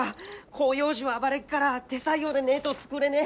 広葉樹は暴れっから手作業でねえど作れねえ。